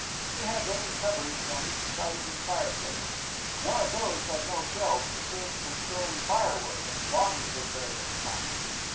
He had little cupboards on each side of his fireplace: one of these had no shelves, and served for storing firewood and bottles of various kinds.